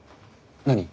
何？